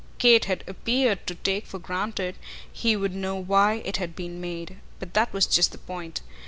Kate had appeared to take for granted he would know why it had been made; but that was just the point.